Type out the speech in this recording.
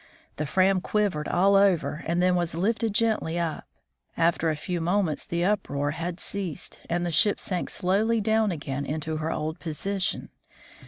The Fram quivered all over and then was lifted gently up. After a few moments the uproar had ceased, and the ship sank slowly down again into her old position.